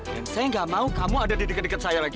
dan saya gak mau kamu ada di deket deket saya lagi